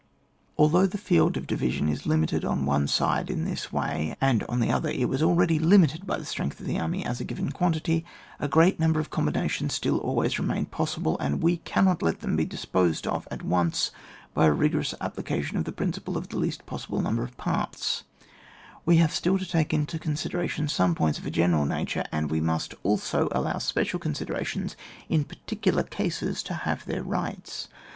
Although the field of division is limited on one side in this way, and on the other it was already limited by the strength of the army as a given quantity, a great number of combinations still always re main possible, and we cannot let them be disposed of at once by a rigorous ap plication of the principle of the least possible number of parts ; we have still to take into consideration some points of a general nature and we must also allow special considerations in particular cases to have their rights.